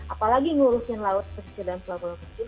apalagi ngurusin laut pesisir dan pelopor kecil